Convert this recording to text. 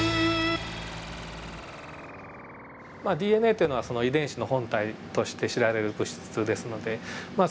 ＤＮＡっていうのは遺伝子の本体として知られる物質ですのでまあ